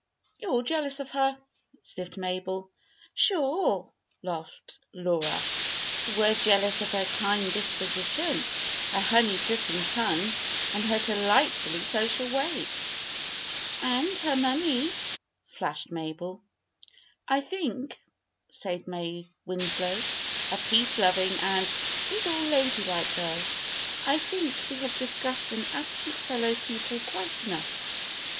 "You're all jealous of her," sniffed Mabel. "Sure!" laughed Laura. "We're jealous of her kind disposition, her honey dripping tongue, and her delightfully social ways." "And her money!" flashed Mabel. "I think," said May Winslow, a peace loving and, withal, ladylike girl "I think we have discussed an absent fellow pupil quite enough.